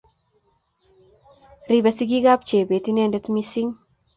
Ribe sigiikab Chebet inendet mising